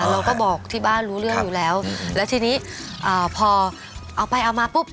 เราก็บอกที่บ้านรู้เรื่องอยู่แล้วแล้วทีนี้อ่าพอเอาไปเอามาปุ๊บ